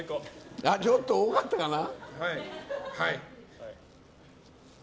ちょっと多かったかな。